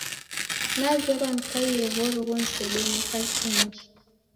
Nazerwa nikaie w'oruw'u nisebonye kazi ingi.